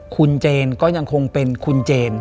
คุณเจนก็ยังคงเป็นคุณเจน